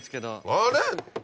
あれ？